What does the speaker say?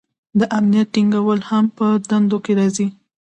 د امنیت ټینګول هم په دندو کې راځي.